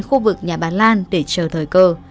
khu vực nhà bà lan để chờ thời cơ